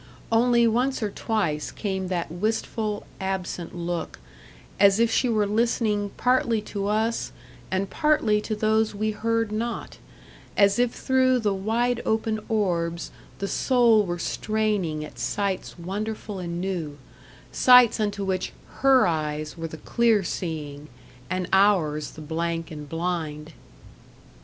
Only once or twice came that wistful, absent look, as if she were listening partly to us, and partly to those we heard not; as if through the wide open orbs the soul were straining at sights wonderful and new sights unto which HER eyes were the clear seeing, and ours the blank and blind.